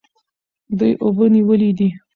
دوی اوبه نیولې دي.